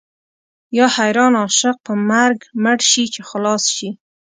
یا حیران عاشق په مرګ مړ شي چې خلاص شي.